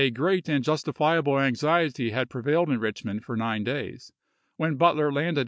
A gi'eat and justifiable anxiety had prevailed in Eichmond for nine days. When Butler landed May, 1864.